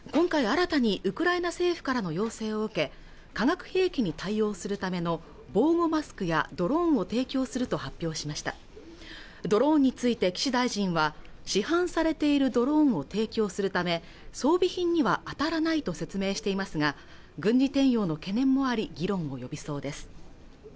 新たにウクライナ政府からの要請を受け化学兵器に対応するための防護マスクやドローンを提供すると発表しましたドローンについて岸大臣は市販されているドローンを提供するため装備品には当たらないと説明していますが軍事転用の懸念もあり議論を呼びそうです